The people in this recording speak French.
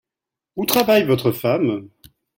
Où travaille votre femme ?